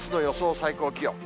最高気温。